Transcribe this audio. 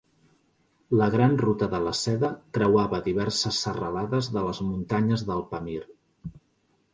La Gran Ruta de la Seda creuava diverses serralades de les muntanyes del Pamir.